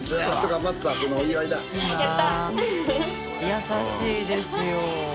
優しいですよ。